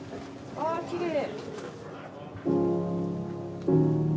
あきれい。